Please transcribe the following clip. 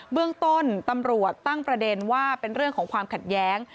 เบื้องต้นตำรวจตั้งประเด็นว่าเป็นเรื่องของความขัดแย้ง